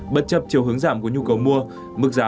bất chấp chiều hướng giảm của nhu cầu mua